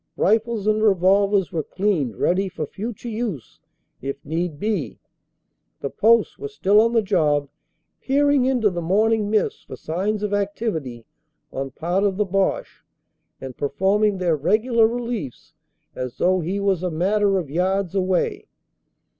Rifles and revolvers were cleaned ready for future use, if need be. The posts were still on the job peering into the 384 CANADA S HUNDRED DAYS morning mist for signs of activity on part of the Boche and performing their regular reliefs as though he was a matter of yards away.